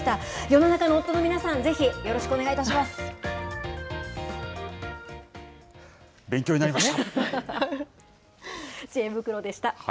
世の中の夫の皆さん、ぜひよろし勉強になりました。